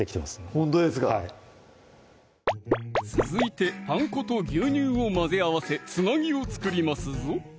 ほんとですか続いてパン粉と牛乳を混ぜ合わせつなぎを作りますぞ